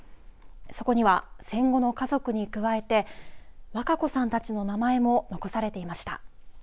そこには戦後の家族に加えてわか子さんたちの名前も残されていました。